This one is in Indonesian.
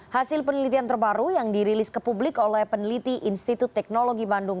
hasil penelitian terbaru yang dirilis ke publik oleh peneliti institut teknologi bandung